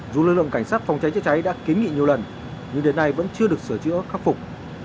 dù lực lượng cảnh sát phòng cháy chữa cháy đã kiến nghị nhiều lần nhưng đến nay vẫn chưa được sửa chữa khắc phục